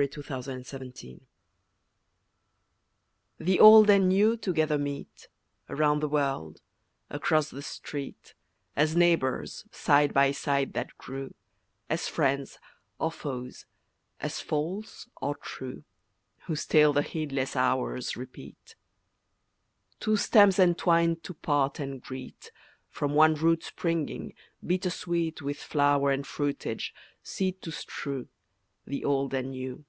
RONDEAU—THE OLD AND NEW THE Old and New together meet, Around the world, across the street, As neighbours, side by side, that grew; As friends, or foes, as false or true, Whose tale the heedless hours repeat. Two stems entwined to part and greet, From one root springing, bitter sweet With flower and fruitage, seed to strew, The Old and New.